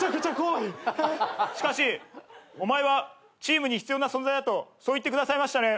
「しかし『お前はチームに必要な存在だ』とそう言ってくださいましたね」